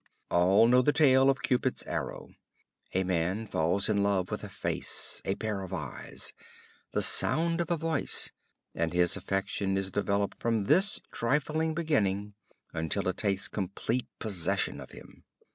All know the tale of Cupid's arrow. A man falls in love with a face, a pair of eyes, the sound of a voice, and his affection is developed from this trifling beginning until it takes complete possession of him.